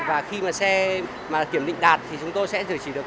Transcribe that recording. và khi mà xe kiểm định đạt thì chúng tôi sẽ tiến hành kiểm định